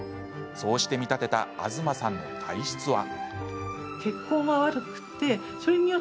そうして見立てた東さんの体質は。